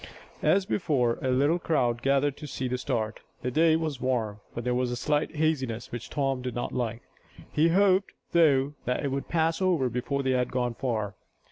As before, a little crowd gathered to see the start. The day was warm, but there was a slight haziness which Tom did not like. He hoped, though, that it would pass over before they had gone far.